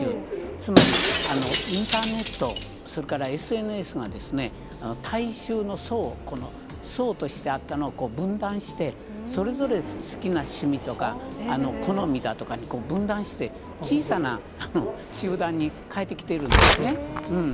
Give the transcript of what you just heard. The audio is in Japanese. つまりインターネット、それからＳＮＳが、大衆の層を、この層としてあったのを分断して、それぞれ好きな趣味とか、好みだとかに分断して、小さな集団に変えてきてるんですね。